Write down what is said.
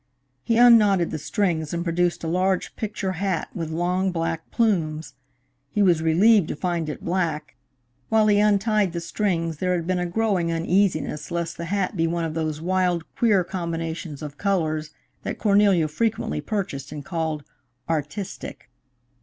He unknotted the strings and produced a large picture hat with long black plumes. He was relieved to find it black. While he untied the strings, there had been a growing uneasiness lest the hat be one of those wild, queer combinations of colors that Cornelia frequently purchased and called "artistic."